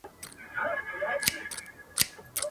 خپل ملي بیرغونه پورته کوي ..